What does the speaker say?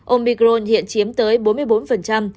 omicron hiện chiếm tới bốn ca nhiễm